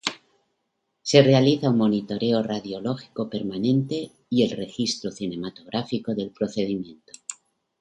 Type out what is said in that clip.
Se realiza un monitoreo radiológico permanente y el registro cinematográfico del procedimiento.